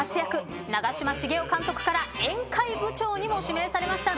長嶋茂雄監督から宴会部長にも指名されましたムードメーカー。